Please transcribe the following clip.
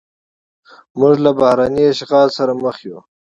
موږ له بهرني اشغال سره مخ یو.